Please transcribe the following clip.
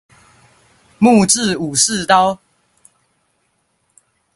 木製武士刀